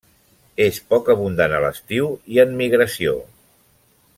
És poc abundant a l'estiu i en migració.